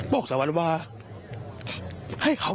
ปี๖๕วันเช่นเดียวกัน